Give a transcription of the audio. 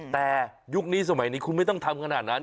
แต่ยุคนี้สมัยนี้คุณไม่ต้องทำขนาดนั้น